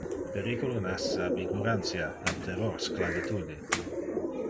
Periculo nasce ab ignorantia, ab terror sclavitude.